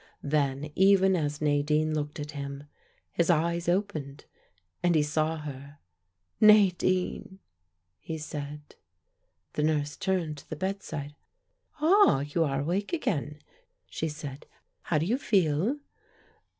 Then even as Nadine looked at him, his eyes opened and he saw her. "Nadine," he said. The nurse stepped to the bedside. "Ah, you are awake again," she said. "How do you feel?"